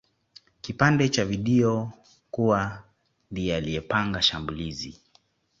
kipande cha video kuwa ndiye aliyepanga shambulizi